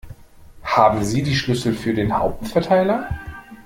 Haben Sie die Schlüssel für den Hauptverteiler?